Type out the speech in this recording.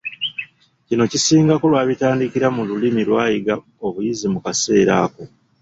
Kino kisingako lw’abitandikira mu lulimi lw’ayiga obuyizi mu kaseera ako.